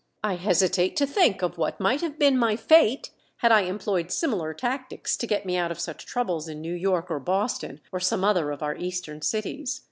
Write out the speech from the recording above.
I hesitate to think of what might have been my fate had I employed similar tactics to get me out of such troubles in New York or Boston, or some other of our Eastern cities.